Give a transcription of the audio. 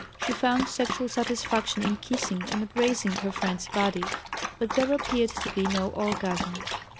She found sexual satisfaction in kissing and embracing her friend's body, but there appeared to be no orgasm.